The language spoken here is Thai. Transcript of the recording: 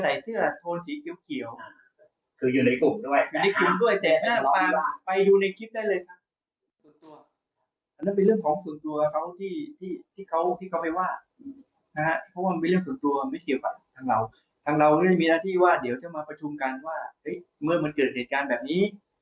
ถ้าที่วาดเดี๋ยวจะมาประชุมกันว่าเห้ยเมื่อมันเกิดเหตุการณ์แบบนี้